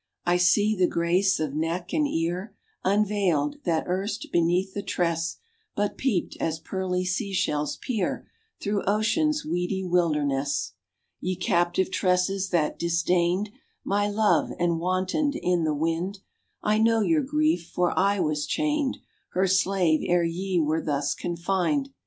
I see the grace of neck and ear Unveiled, that erst beneath the tress But peeped, as pearly sea shells peer Through ocean's weedy wilderness. Ye captive tresses that disdained My love, and wantoned in the wind, I know your grief, for I was chained Her slave ere ye were thus confined.